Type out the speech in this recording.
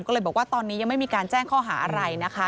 ก็เลยบอกว่าตอนนี้ยังไม่มีการแจ้งข้อหาอะไรนะคะ